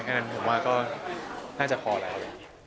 อันนั้นผมว่าก็น่าจะพอแล้ว